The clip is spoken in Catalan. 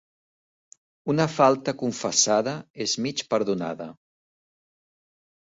Una falta confessada és mig perdonada.